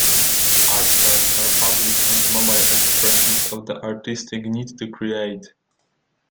Art cars are public and mobile expressions of the artistic need to create.